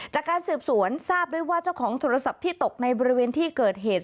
จากการสืบสวนทราบด้วยว่าเจ้าของโทรศัพท์ที่ตกในบริเวณที่เกิดเหตุ